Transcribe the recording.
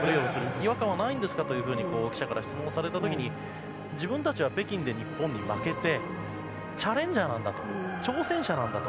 違和感はないんですかと記者から質問された時に自分たちは北京で日本に負けてチャレンジャーなんだ挑戦者なんだと。